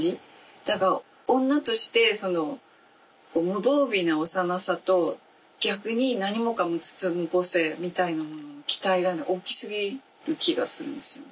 だから女としてその無防備な幼さと逆に何もかも包む母性みたいなものの期待が大きすぎる気がするんですよね。